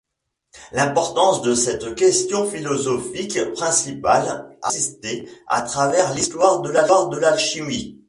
L'importance de cette question philosophique principale a persisté à travers l'histoire de l'alchimie.